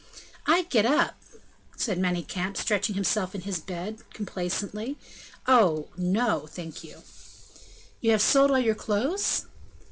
"I get up!" said Manicamp, stretching himself in his bed, complacently, "oh, no, thank you!" "You have sold all your clothes?"